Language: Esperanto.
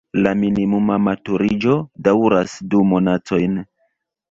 La minimuma maturiĝo daŭras du monatojn.